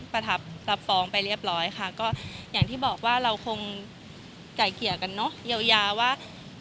ไปเรียบร้อยค่ะก็อย่างที่บอกว่าเราคงใกล้เขียวกันเนาะเยียวยาว่า